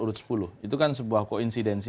urut sepuluh itu kan sebuah koinsidensi